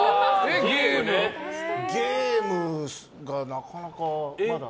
ゲームがなかなか、まだ。